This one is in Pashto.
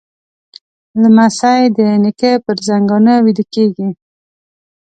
لمسی د نیکه پر زنګانه ویده کېږي.